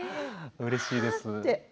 うれしいです。